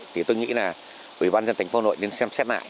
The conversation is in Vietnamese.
thì tôi nghĩ là ủy ban cho thành phố nội nên xem xét lại